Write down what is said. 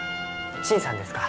陳さんですか。